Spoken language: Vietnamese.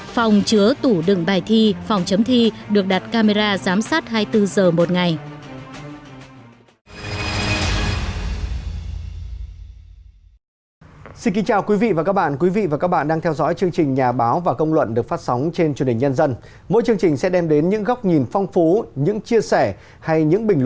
phòng chứa tủ đựng bài thi phòng chấm thi được đặt camera giám sát hai mươi bốn h một ngày